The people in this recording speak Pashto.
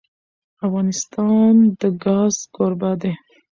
افغانستان د ګاز کوربه دی.